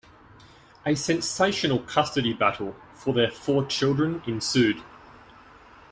A sensational custody battle for their four children ensued.